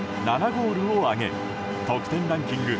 ７ゴールを挙げ得点ランキング